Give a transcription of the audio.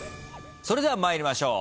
それでは参りましょう。